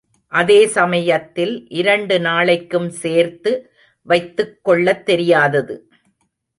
அதே சமயத்தில் இரண்டு நாளைக்கும் சேர்த்து வைத்துக் கொள்ளத்தெரியாதது.